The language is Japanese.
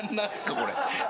これ。